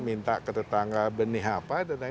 minta ke tetangga benih apa